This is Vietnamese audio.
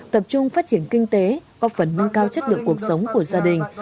tập trung phát triển kinh tế góp phần nâng cao chất lượng cuộc sống của gia đình